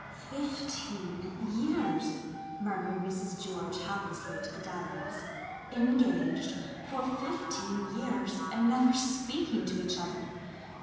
"Fifteen years!" murmured Mrs. George helplessly to the dahlias. "Engaged for fifteen years and never speaking to each other!